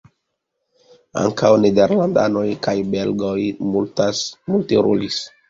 Ankaŭ nederlandanoj kaj belgoj multe rolis.